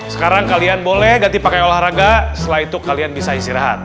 sekarang kalian boleh ganti pakai olahraga setelah itu kalian bisa istirahat